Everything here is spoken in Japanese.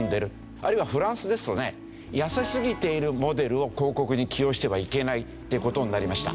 あるいはフランスですとね痩せすぎているモデルを広告に起用してはいけないって事になりました。